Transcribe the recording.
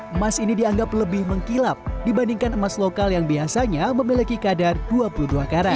emas ini dianggap lebih mengkilap dibandingkan emas lokal yang biasanya memiliki kadar dua puluh dua karat